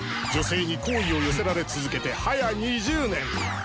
女性に好意を寄せられ続けてはや２０年。